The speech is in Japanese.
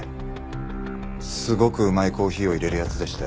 すごくうまいコーヒーをいれる奴でしたよ。